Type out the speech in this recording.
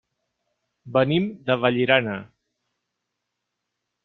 Venim de Vallirana.